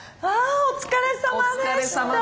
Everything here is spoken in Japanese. お疲れさまでした。